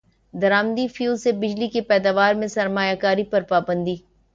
درامدی fuel سے بجلی کی پیداوار میں سرمایہ کاری پر پابندی